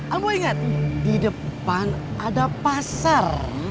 aku ingat di depan ada pasar